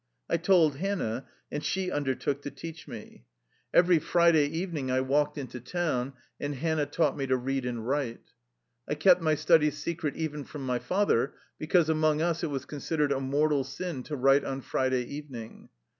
I told Hannah and she undertook to teach me. Every Friday 25 THE LIFE STOEY OF A RUSSIAN EXILE evening I walked into town, and Hannab taugbt me to read and write. I kept my studies secret even from my father, because among us it was considered a mortal sin to write on Friday even ing.